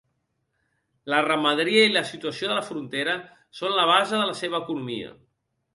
La ramaderia i la situació de frontera són la base de la seva economia.